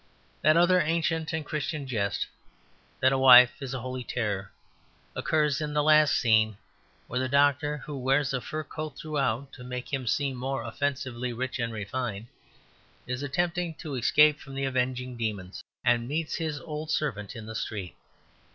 That other ancient and Christian jest, that a wife is a holy terror, occurs in the last scene, where the doctor (who wears a fur coat throughout, to make him seem more offensively rich and refined) is attempting to escape from the avenging demons, and meets his old servant in the street.